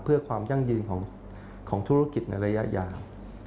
เพื่อความยั่งยืนของธุรกิจในระยะยาว